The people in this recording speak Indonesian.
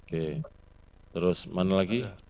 oke terus mana lagi